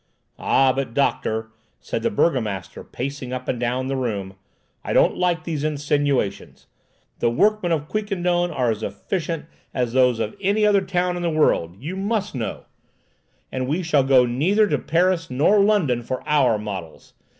"Ah, but doctor," said the burgomaster, pacing up and down the room, "I don't like these insinuations. The workmen of Quiquendone are as efficient as those of any other town in the world, you must know; and we shall go neither to Paris nor London for our models!